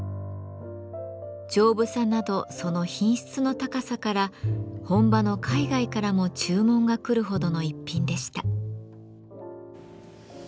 丈夫さなどその品質の高さから本場の海外からも注文が来るほどの逸品でした。